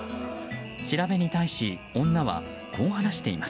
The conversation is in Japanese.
調べに対し女はこう話しています。